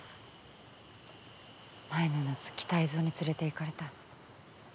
前の夏北蝦夷に連れて行かれた。